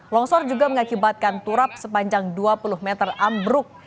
longsor juga mengakibatkan turap sepanjang dua puluh meter ambruk